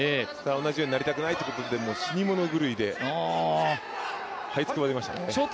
同じようになりたくないということで死に物狂いで這いつくばりましたね。